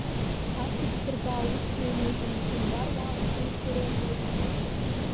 Сҭацагь дсырба, ус снумыжьын, дсымбар уа амшын сырумыжьын!